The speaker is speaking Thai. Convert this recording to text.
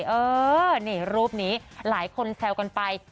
เออนี่รูปนี้หลายคนแซวกันไป